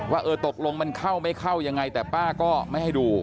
ว่าเออตกลงมันเข้าไม่เข้ายังไงแต่ป้าก็ไม่ให้ดู